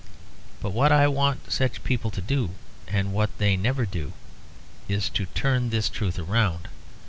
But what I want such people to do, and what they never do, is to turn this truth round.